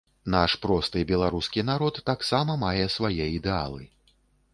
Наш просты беларускі народ таксама мае свае ідэалы.